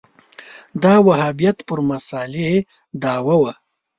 دا وهابیت پر مسألې دعوا وه